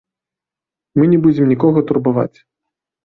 Мы не будзем нікога турбаваць.